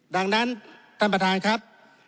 ดังนั้นท่านประธานครับ